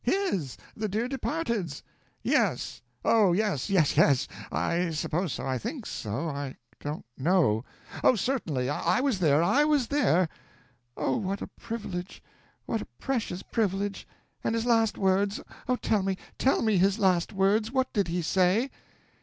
"'His. The dear departed's.' "'Yes! Oh, yes yes yes! I suppose so, I think so, I don't know! Oh, certainly I was there I was there!' "'Oh, what a privilege! what a precious privilege! And his last words oh, tell me, tell me his last words! What did he say?'